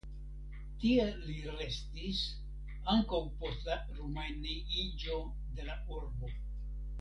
Tie li restis ankaŭ post la rumaniiĝo de la urbo.